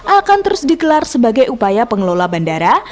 akan terus digelar sebagai upaya pengelola bandara